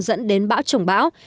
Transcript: dẫn đến bão trồng bão